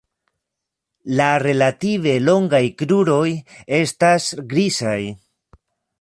La relative longaj kruroj estas grizaj.